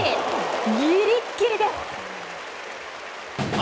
ギリギリです。